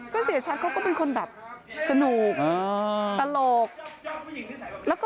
ก็เสียชัดเขาก็เป็นคนแบบสนุกตลก